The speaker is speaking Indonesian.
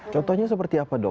contohnya seperti apa dok